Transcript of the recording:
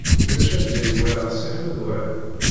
Ulac anda i walaɣ Si Ḥmed Waɛli.